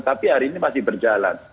tapi hari ini masih berjalan